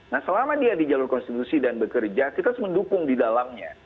nah selama dia di jalur konstitusi dan bekerja kita harus mendukung di dalamnya